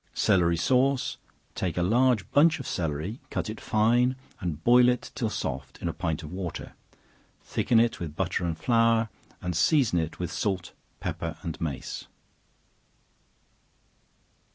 Celery Sauce. Take a large bunch of celery, cut it fine, and boil it till soft, in a pint of water; thicken it with butter and flour, and season it with salt, pepper, and mace.